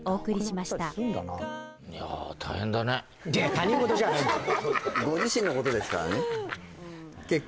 他人事じゃないんだよ